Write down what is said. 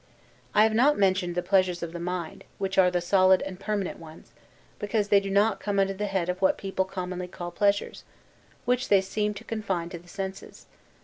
I have not mentioned the pleasures of the mind (which are the solid and permanent ones); because they do not come under the head of what people commonly call pleasures; which they seem to confine to the senses.